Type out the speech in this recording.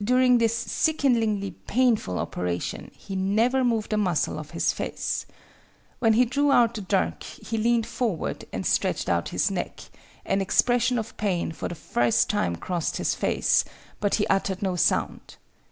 During this sickeningly painful operation he never moved a muscle of his face. When he drew out the dirk, he leaned forward and stretched out his neck; an expression of pain for the first time crossed his face, but he uttered no sound.